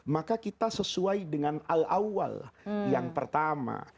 maka kita sesuai dengan al awal yang pertama